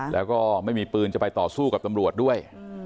แล้วก็ไม่มีปืนจะไปต่อสู้กับตำรวจด้วย